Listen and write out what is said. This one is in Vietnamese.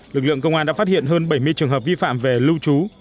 lực lượng công an đã phát hiện hơn bảy mươi trường hợp vi phạm về lưu trú